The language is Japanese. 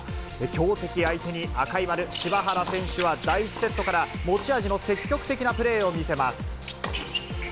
強敵相手に、赤い丸、柴原選手は第１セットから、持ち味の積極的なプレーを見せます。